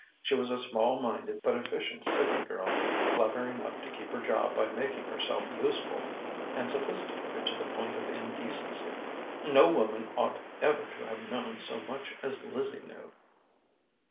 She was a small minded but efficient city girl, clever enough to keep her job by making herself useful, and sophisticated to the point of indecency. No woman ought ever to have known so much as Lizzie knew.